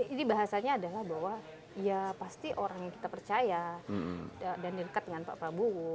ini bahasanya adalah bahwa ya pasti orang yang kita percaya dan dekat dengan pak prabowo